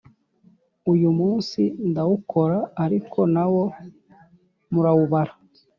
Uyumunsi ndawukora ariko nawo murawubara